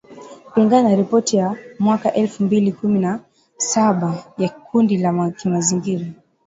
kulingana na ripoti ya mwaka elfu mbili kumi na saba ya kundi la kimazingira